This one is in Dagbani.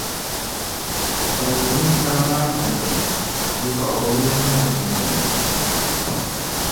Salmu ninkpara maa barigi mi, di zuɣu o bi lahi nyɛri viɛnyɛla.